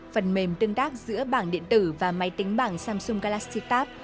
phần mềm tương tác giữa bảng điện tử và máy tính bảng samsung galaxy tab